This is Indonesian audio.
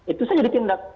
itu saja ditindak